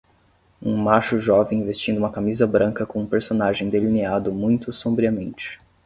Um macho jovem vestindo uma camisa branca com um personagem delineado muito sombriamente.